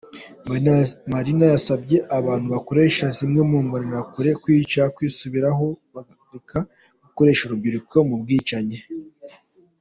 Marina yanasabye abantu bakoresha zimwe mu Mbonerakure kwica, kwisubiraho, bakareka gukoresha urubyiruko mu bwicanyi.